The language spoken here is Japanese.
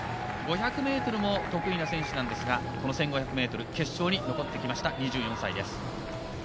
５００ｍも得意な選手なんですが１５００ｍ決勝に残ってきました２４歳です。